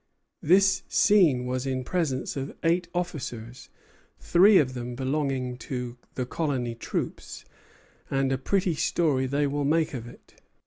This scene was in presence of eight officers, three of them belonging to the colony troops; and a pretty story they will make of it."